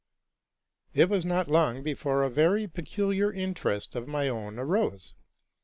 It was not long before a very peculiar interest of my own arose.